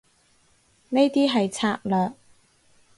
呢啲係策略